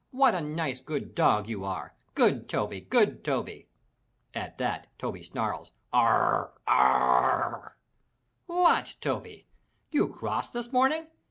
What a nice, good dog you are! Good Toby! Good Toby!" At that Toby snarls, "Arr rr! Arr rr!" "What, Toby, you cross this morning?